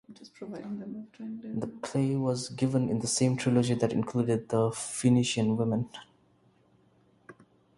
The play was given in the same trilogy that included "The Phoenician Women".